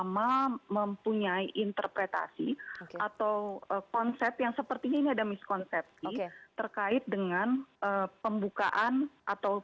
mempunyai interpretasi atau konsep yang sepertinya ini ada miskonsepsi terkait dengan pembukaan atau